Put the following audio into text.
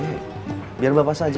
siapa yang memakainya